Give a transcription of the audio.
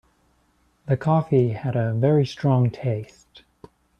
The coffee had a very strong taste.